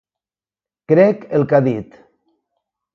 Crec el que ha dit.